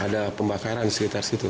ada pembakaran sekitar situ